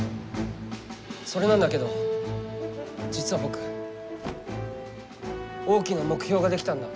それなんだけど実は僕大きな目標が出来たんだ。